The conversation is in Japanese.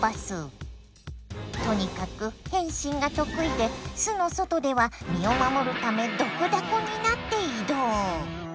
とにかく変身が得意で巣の外では身を守るため毒ダコになって移動。